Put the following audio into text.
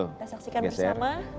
kita saksikan bersama